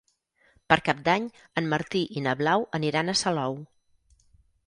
Per Cap d'Any en Martí i na Blau aniran a Salou.